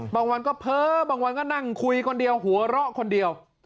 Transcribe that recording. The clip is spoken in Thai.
บางวันก็เพ้อบางวันก็นั่งคุยคนเดียวหัวเราะคนเดียว